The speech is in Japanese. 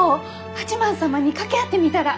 八幡様に掛け合ってみたら。